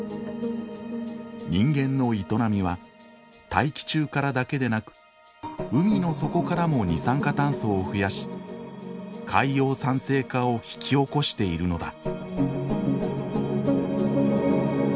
人間の営みは大気中からだけでなく海の底からも二酸化炭素を増やし海洋酸性化を引き起こしているのだ。